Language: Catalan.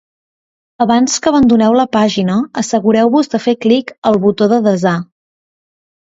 Abans que abandoneu la pàgina, assegureu-vos que feu clic al botó de desar.